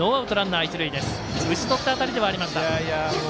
打ち取った当たりではありました。